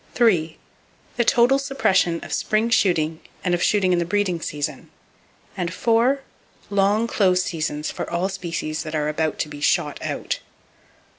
—The total suppression of spring shooting and of shooting in the breeding season, and —Long close seasons for all species that are about to be "shot out."